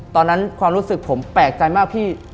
ตอนนั้นความรู้สึกผมแปลกใจมากพี่